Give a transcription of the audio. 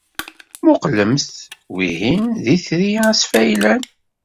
Mmuqqlemt, wihin d Itri Asfaylan.